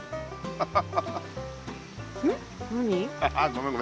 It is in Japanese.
ハハハ。